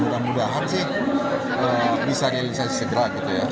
mudah mudahan sih bisa direalisasi segera gitu ya